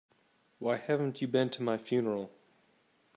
Why haven't you been to my funeral?